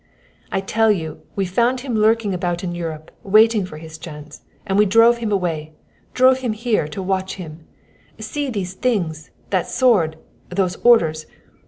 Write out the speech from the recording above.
"I tell you we found him lurking about in Europe, waiting his chance, and we drove him away drove him here to watch him. See these things that sword those orders!